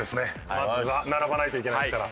まずは並ばないといけないですから。